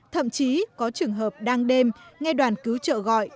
thậm chí có trường hợp đang đêm nghe đoàn cứu trợ gọi